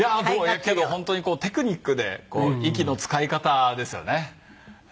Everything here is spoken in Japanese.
本当にテクニックで息の使い方ですよね。